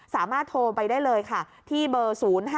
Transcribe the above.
สามารถโทรไปได้เลยค่ะที่เบอร์๐๕